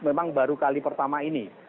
memang baru kali pertama ini